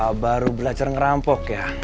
wah baru belajar ngerampok ya